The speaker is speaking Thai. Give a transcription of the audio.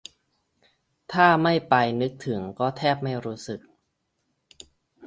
ถ้าไม่ไปนึกถึงก็แทบไม่รู้สึก